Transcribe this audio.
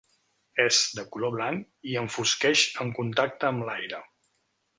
És de color blanc i enfosqueix en contacte amb l'aire.